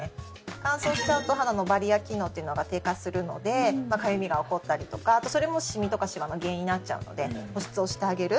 乾燥しちゃうと肌のバリア機能というのが低下するのでかゆみが起こったりとかあとそれもシミとかシワの原因になっちゃうので保湿をしてあげる。